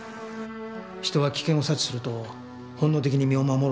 人は危険を察知すると本能的に身を守ろうとします。